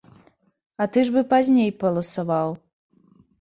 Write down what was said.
А ты ж бы пазней паласаваў.